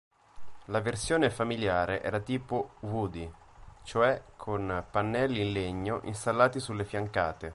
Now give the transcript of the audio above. La versione familiare era tipo "Woody", cioè con pannelli in legno installati sulle fiancate.